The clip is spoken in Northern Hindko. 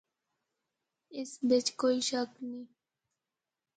اس بچ کوئی شک نیں۔